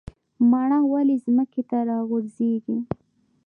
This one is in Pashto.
مڼه ولې ځمکې ته راغورځیږي؟